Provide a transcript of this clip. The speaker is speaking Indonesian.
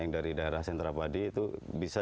yang dari daerah sentra padi itu bisa